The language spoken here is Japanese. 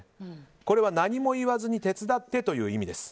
これは何も言わずに手伝ってという意味です。